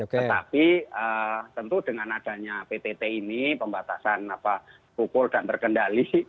tetapi tentu dengan adanya ptt ini pembatasan pukul dan terkendali